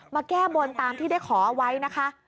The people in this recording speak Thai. แก้บนตามที่ได้ขอเอาไว้นะคะ